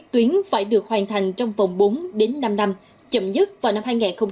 tuyến phải được hoàn thành trong vòng bốn năm năm chậm nhất vào năm hai nghìn hai mươi tám